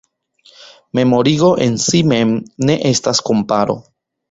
Memorigo en si mem ne estas komparo.